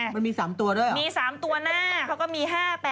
มันมี๓ตัวด้วยมี๓ตัวหน้าเขาก็มี๕๘